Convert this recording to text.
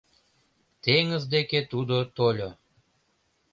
Теҥыз деке тудо тольо